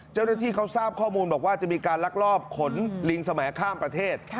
เจ้าหน้าที่เขาทราบข้อมูลบอกว่าจะมีการลักลอบขนลิงสมัยข้ามประเทศ